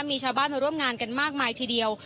มีชาวบ้านมาร่วมงานกันมากมายทีเดียว